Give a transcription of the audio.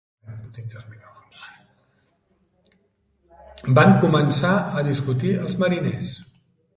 Van començar a discutir els mariners?